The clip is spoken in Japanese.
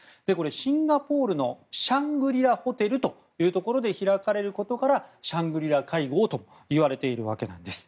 シンガポールのシャングリラホテルというところで開かれることからシャングリラ会合といわれているわけなんです。